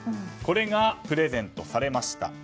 これがプレゼントされました。